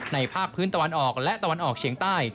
ภาคพื้นตะวันออกและตะวันออกเฉียงใต้